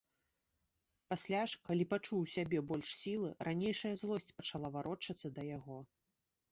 Пасля ж, калі пачуў у сябе больш сілы, ранейшая злосць пачала варочацца да яго.